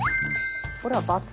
これは×。